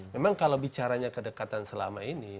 memang kalau bicaranya kedekatan selama ini